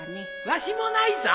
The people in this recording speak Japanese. わしもないぞ。